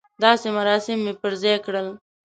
داسې مراسم یې پر ځای کړل.